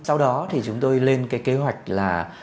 sau đó thì chúng tôi lên cái kế hoạch là